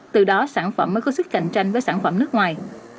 từ đó sản phẩm mới có sức cạnh tranh với sản phẩm nước ngoài